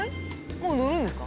もう乗るんですか？